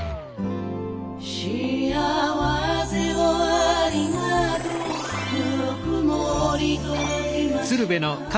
「幸せをありがとうぬくもり届きました」